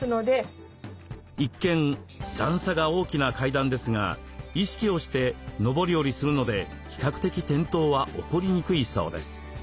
一見段差が大きな階段ですが意識をして上り下りするので比較的転倒は起こりにくいそうです。